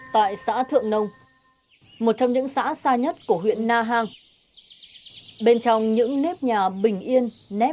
hãy đăng ký kênh để ủng hộ kênh của chúng mình nhé